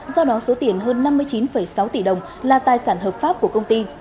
do đó số tiền hơn năm mươi chín sáu tỷ đồng là tài sản hợp pháp của công ty